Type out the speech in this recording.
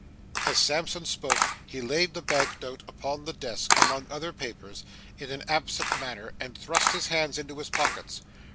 As Sampson spoke, he laid the bank note upon the desk among some papers, in an absent manner, and thrust his hands into his pockets.